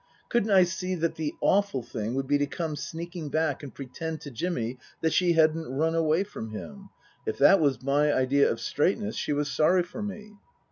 Couldn't I see that the awful thing would be to come sneaking back and pretend to Jimmy that she hadn't run away from him ? If that was my idea of straightness she was sorry for me.